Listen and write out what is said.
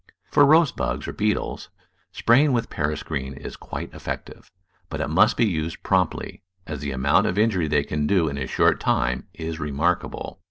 For rose bugs, or beetles, spraying with Paris green is quite effective, but it must be used promptly, as the amount of injury they can do in a short time is remarkable.